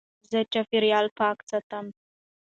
زه چاپېریال پاک ساتم.